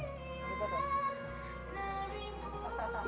ini mbak putri